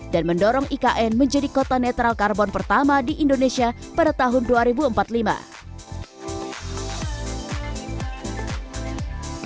dan mendorong ikn menjadi kota netral karbon pertama di indonesia pada tahun dua ribu empat puluh lima